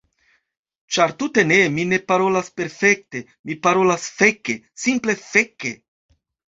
Ĉar tute ne, mi ne parolas perfekte, mi parolas feke! Simple feke!